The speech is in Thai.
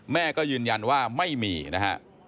แม่ก็ยืนยันว่าไม่มีนะฮะ